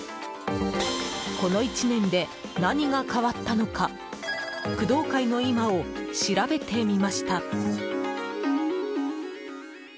この１年で何が変わったのか工藤会の今を調べてみました。